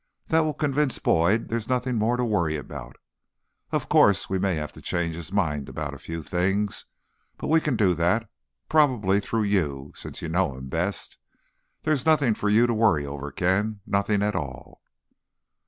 "That will convince Boyd there's nothing more to worry about. Of course, we may have to change his mind about a few things, but we can do that, probably through you, since you know him best. There's nothing for you to worry over, Ken. Nothing at all."